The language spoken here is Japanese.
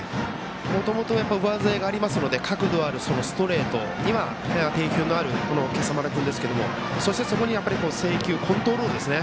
もともと上背がありますので角度のあるストレートには定評のあるこの今朝丸君ですが、そこに制球コントロールですね。